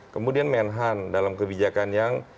kemudian menhan dalam kebijakan yang